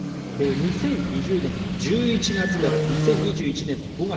２０２０年１１月から２０２１年５月。